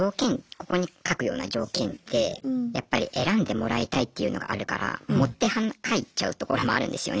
ここに書くような条件ってやっぱり選んでもらいたいっていうのがあるから盛って書いちゃうところもあるんですよね。